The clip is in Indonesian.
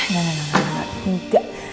gak gak gak gak gak gak gak